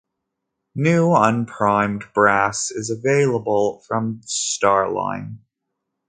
New, unprimed brass is available from Starline.